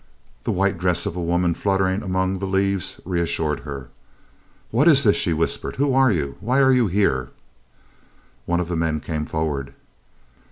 The white dress of a woman fluttering among the leaves reassured her. "What is this?" she whispered. "Who are you? Why are you here?" One of the men came forward.